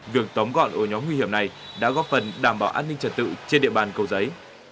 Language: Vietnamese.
việc tóm gọn ổ nhóm nguy hiểm này đã góp phần đảm bảo an ninh trật tự trên địa bàn cầu giấy